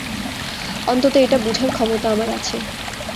অন্তত এটা বুঝার ক্ষমতা আমার আছে।